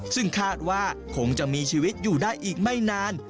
ซึ่งคาดว่าคงจะมีชีวิตอยู่ได้อีกไม่นาน